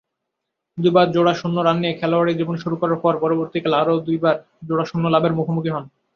দুইবার জোড়া শূন্য রান নিয়ে খেলোয়াড়ী জীবন শুরু করার পর পরবর্তীকালে আরও দুইবার জোড়া শূন্য লাভের মুখোমুখি হন।